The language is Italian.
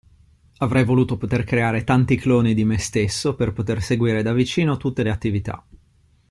Avrei voluto poter creare tanti cloni di me stesso per poter seguire da vicino tutte le attività.